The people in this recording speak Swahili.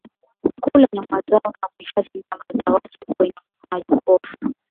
kula nyama zao na kuhifadhi nyama za watu kwenye majokofu